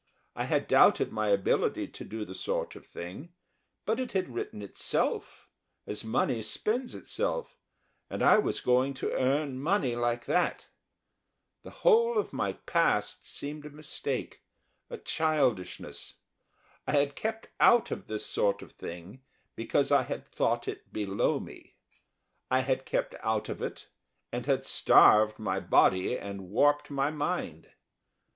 I had doubted my ability to do the sort of thing; but it had written itself, as money spends itself, and I was going to earn money like that. The whole of my past seemed a mistake a childishness. I had kept out of this sort of thing because I had thought it below me; I had kept out of it and had starved my body and warped my mind.